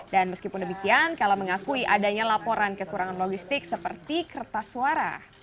dan meskipun demikian kala mengakui adanya laporan kekurangan logistik seperti kertas suara